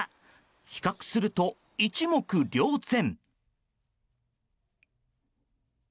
比較すると、一目瞭然。